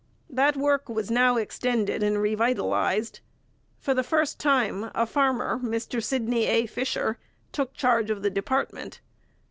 That work was now extended and re vitalized. For the first time a farmer, Mr Sydney A. Fisher, took charge of the department.